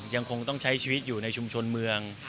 ยังคงต้องใช้ชีวิตอยู่ในชุมชนเมือง